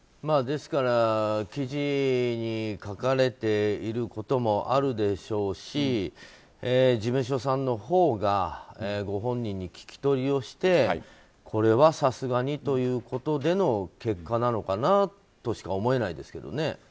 ですから、記事に書かれていることもあるでしょうし事務所さんのほうがご本人に聞き取りをしてこれはさすがにということでの結果なのかなとしか思えないですけどね。